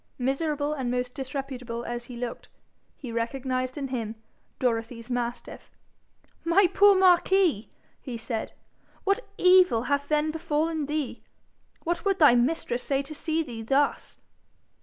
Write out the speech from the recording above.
Miserable and most disreputable as he looked, he recognised in him Dorothy's mastiff. 'My poor Marquis!' he said, 'what evil hath then befallen thee? What would thy mistress say to see thee thus?'